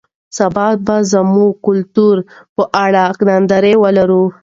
سبا به موږ د کلتور په اړه نندارتون ولرو.